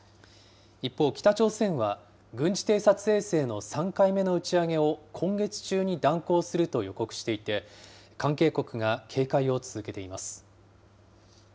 一方、北朝鮮は軍事偵察衛星の３回目の打ち上げを今月中に断行すると予告していて、関係国が警戒を続けています。